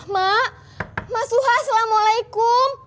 mak mas suha assalamualaikum